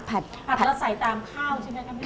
ผัดแล้วใส่ตามข้าวใช่ไหมครับ